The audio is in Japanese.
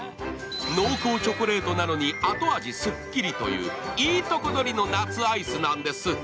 濃厚チョコレートなのに後味すっきりといういいとこ取りの夏アイスなんです。